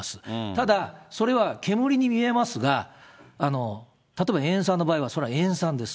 ただ、それは煙に見えますが、例えば塩酸の場合はそれは塩酸です。